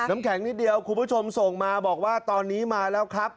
น้ำแข็งนิดเดียวคุณผู้ชมส่งมาบอกว่าตอนนี้มาแล้วครับ